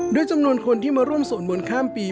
จำนวนคนที่มาร่วมสวดมนต์ข้ามปี